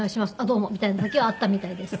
「どうも」みたいな時はあったみたいです。